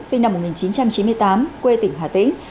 sinh năm một nghìn chín trăm chín mươi tám quê tỉnh hà tĩnh